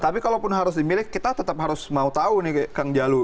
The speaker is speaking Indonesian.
tapi kalaupun harus dimiliki kita tetap harus mau tahu nih kang jalu